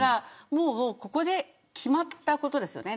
ここで決まったことですよね